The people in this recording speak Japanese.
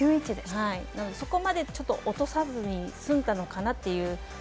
そこまで落とさずに済んだのかなという。